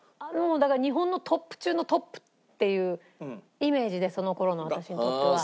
日本のトップ中のトップっていうイメージでその頃の私にとっては。